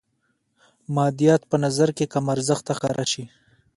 مادیات په نظر کې کم ارزښته ښکاره شي.